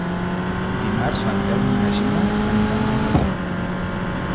Dimarts en Telm i na Gina aniran a Almatret.